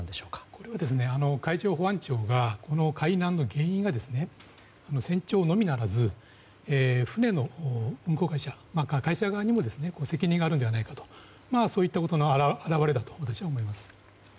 これは海上保安庁が海難の原因が船長のみならず船の運航会社側にも責任があるのではないかとそういったことの表れだと私は思います。